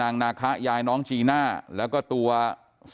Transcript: นางนาคะนี่คือยายน้องจีน่าคุณยายถ้าแท้เลย